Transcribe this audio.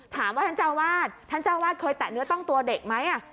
ถามว่าท่านเจ้าวาดท่านเจ้าวาดเคยแตะเนื้อต้องตัวเด็กไหม